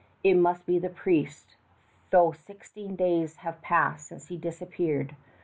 It must be the priest, though sixteen days have passed since he disappeared.